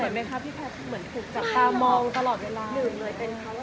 เหมือนถูกจับตามองตลอดเวลา